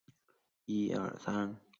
阿戈讷地区茹伊人口变化图示